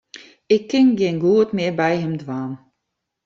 Ik kin gjin goed mear by him dwaan.